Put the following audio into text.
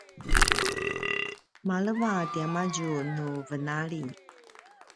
maleva tiamadju nu venali